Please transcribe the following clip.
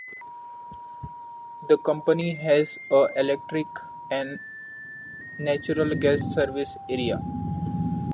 The company has a electric and natural gas service area.